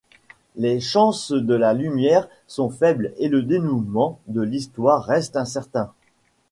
Les chances de la lumière sont faibles et le dénouement de l'histoire reste incertain.